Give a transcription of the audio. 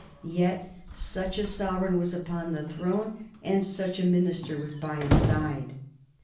Yet such a sovereign was upon the throne and such a minister was by his side.